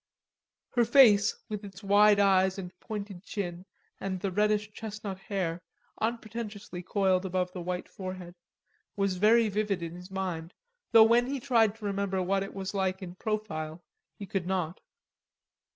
Her face, with its wide eyes and pointed chin and the reddish chestnut hair, unpretentiously coiled above the white forehead, was very vivid in his mind, though when he tried to remember what it was like in profile, he could not.